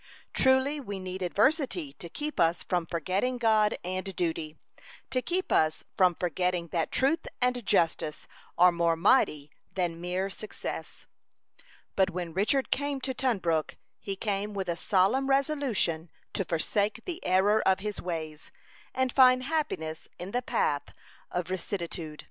Truly we need adversity to keep us from forgetting God and duty; to keep us from forgetting that truth and justice are more mighty than mere success. But when Richard came to Tunbrook, he came with a solemn resolution to forsake the error of his ways, and find happiness in the path of rectitude.